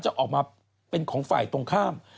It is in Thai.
จะออกมาเป็นของฝ่ายตรงข้าม